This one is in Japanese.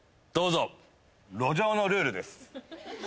どうぞ「路上のルール」です